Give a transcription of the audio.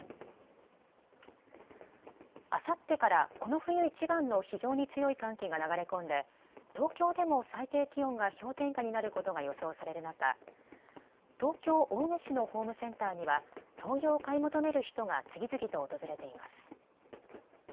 あさってからこの冬いちばんの非常に強い寒気が流れ込んで東京でも最低気温が氷点下になることが予想される中、東京青梅市のホームセンターには灯油を買い求める人が次々と訪れています。